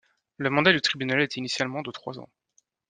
Le mandat du Tribunal était initialement de trois ans.